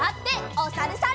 おさるさん。